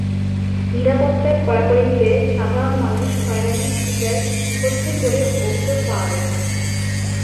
নিরাপত্তার কড়াকড়িতে সাধারণ মানুষ হয়রানির শিকার হচ্ছেন বলে অভিযোগ পাওয়া গেছে।